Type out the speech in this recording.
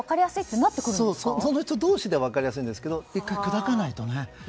その人たち同士では分かりやすいんですけど１回、くだかないとね。